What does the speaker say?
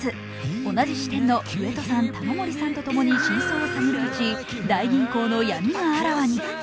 同じ支店の上戸さん、玉森さんとともに真相を探るうち大銀行の闇があらわに。